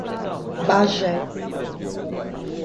Bagé